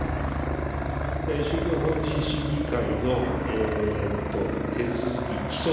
宗教法人審議会の手続き、規則、